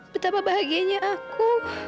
betapa bahagianya aku